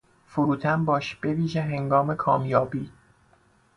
فروتن باش به ویژه هنگام کامیابی.